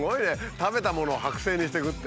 食べたものを剥製にしていくって。